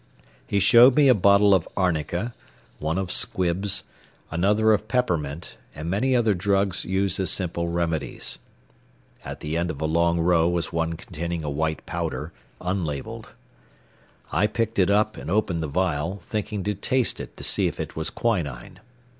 He showed me a bottle of arnica, one of squibbs, another of peppermint, and many other drugs used as simple remedies. At the end of a long row was one containing a white powder, unlabelled. I picked it up and opened the vial, thinking to taste it to see if it was quinine.